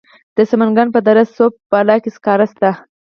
د سمنګان په دره صوف بالا کې سکاره شته.